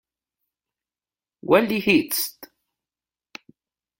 Goeldi Hist.